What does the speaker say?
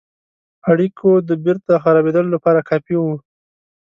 اړېکو د بیرته خرابېدلو لپاره کافي وه.